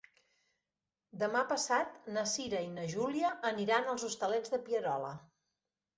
Demà passat na Cira i na Júlia aniran als Hostalets de Pierola.